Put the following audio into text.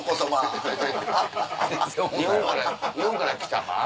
日本から来たマー？